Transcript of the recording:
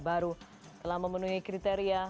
baru telah memenuhi kriteria